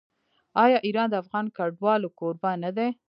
آیا ایران د افغان کډوالو کوربه نه دی؟